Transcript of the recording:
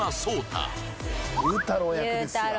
祐太郎役ですよ。